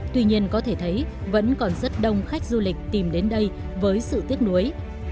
tuy nhiên có thể thấy vẫn còn rất đông khách du lịch tìm đến đây với sự tiếc nuối